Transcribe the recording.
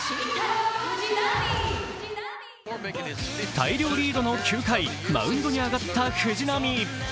大量リードの９回、マウンドに上がった藤浪。